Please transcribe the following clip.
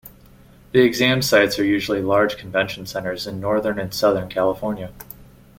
The exam sites are usually large convention centers in Northern and Southern California.